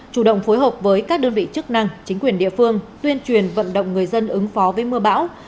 chủ động phối hợp với các đơn vị chức năng chính quyền địa phương tuyên truyền vận động người dân ứng phó với mưa bão